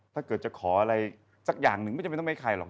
ถ้าเกิดจะขออะไรสักอย่างหนึ่งไม่จำเป็นต้องให้ใครหรอก